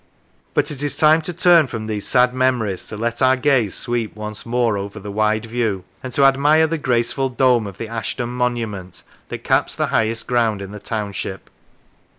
But it is time to turn from these sad memories to let our gaze sweep once more over the wide view, and to admire the graceful dome of the Ashton monument, that caps the highest ground in the township.